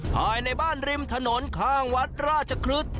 ภายในบ้านริมถนนข้างวัดราชครึก